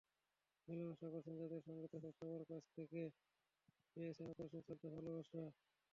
মেলামেশা করেছেন যাঁদের সঙ্গে, তাঁদের সবার কাছ থেকেই পেয়েছেন অপরিসীম শ্রদ্ধা-ভালোবাসা।